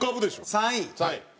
３位。